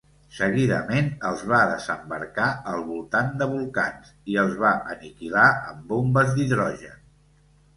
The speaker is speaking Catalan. Seguidament, els va desembarcar al voltant de volcans i els va aniquilar amb bombes d'hidrogen.